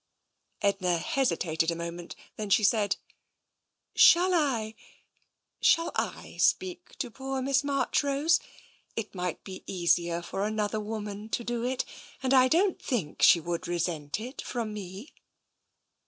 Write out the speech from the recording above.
Edna hesitated a moment. Then she said: " Shall I — shall I speak to poor Miss Marchrose ? It might be easier for another woman to do it, and I don't think she would resent it from me."